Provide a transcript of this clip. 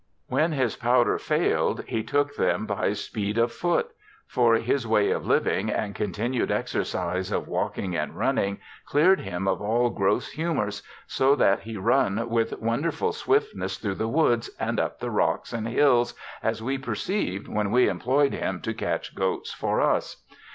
* When his powder fail'd he took them by speed of foot; for his way of living, and continued exercise of walking and running, clear'd him of all gross humours, so that he run with wonderful swiftness thro the woods, and up the rocks and hills, as we perceiv'd when we employed him to catch goats for us.